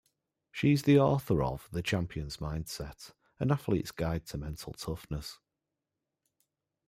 She's the author of "The Champions Mindset - An Athlete's Guide to Mental Toughness".